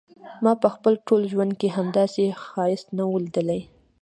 ما په خپل ټول ژوند کې همداسي ښایست نه و ليدلی.